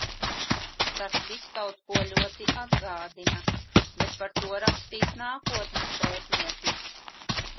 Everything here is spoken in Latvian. Tas viss kaut ko ļoti atgādina. Bet par to rakstīs nākotnes pētnieki.